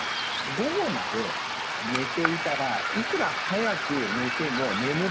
午後まで寝ていたらいくら早く寝ても眠れないんですね。